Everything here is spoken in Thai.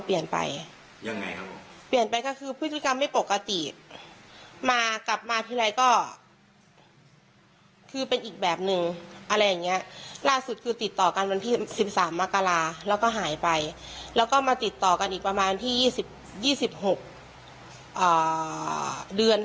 เปลี่ยนไปยังไงหรือเปลี่ยนใบก็คือพฤติกรรมไม่ปกติมาเป็นอีกแบบหนึ่ง